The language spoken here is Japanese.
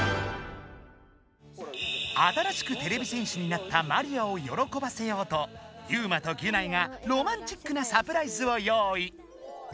新しくてれび戦士になったマリアをよろこばせようとユウマとギュナイがロマンチックなサプライズを用意。